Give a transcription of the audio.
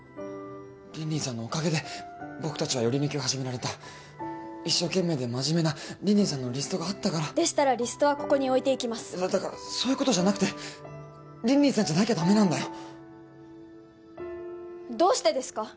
凜々さんのおかげで僕達はヨリヌキを始められた一生懸命で真面目な凜々さんのリストがあったからでしたらリストはここに置いていきますだからそういうことじゃなくて凜々さんじゃなきゃダメなんだよどうしてですか？